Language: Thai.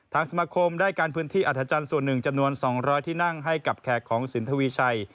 สมาคมได้กันพื้นที่อัฐจันทร์ส่วนหนึ่งจำนวน๒๐๐ที่นั่งให้กับแขกของสินทวีชัย